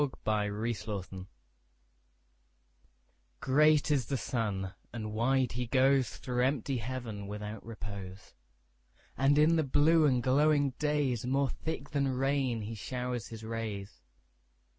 Summer Sun GREAT is the sun, and wide he goesThrough empty heaven without repose; And in the blue and glowing daysMore thick than rain he showers his rays.